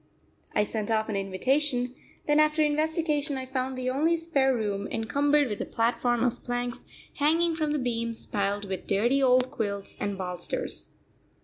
I sent off an invitation; then after investigation I found the only spare room encumbered with a platform of planks hanging from the beams, piled with dirty old quilts and bolsters.